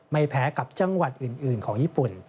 ไม่แพ้กับจังหวัดอื่นของญี่ปุ่น